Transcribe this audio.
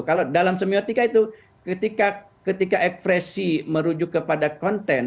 kalau dalam semiotika itu ketika ekspresi merujuk kepada konten